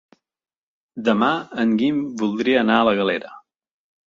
Demà en Guim voldria anar a la Galera.